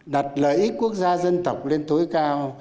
đặt lợi ích quốc gia dân tộc lên tối cao